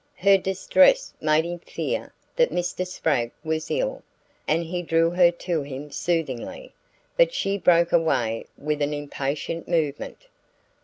Her distress made him fear that Mr. Spragg was ill, and he drew her to him soothingly; but she broke away with an impatient movement.